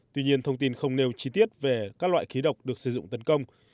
tuy nhiên thông tin không nêu chi tiết về các loại khí độc được sử dụng tấn công